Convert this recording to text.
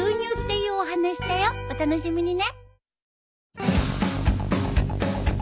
お楽しみにね！